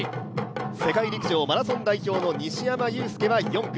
世界陸上マラソン代表の西山雄介は４区。